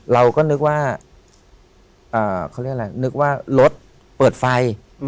เราก็นึกว่ารถเปิดไฟ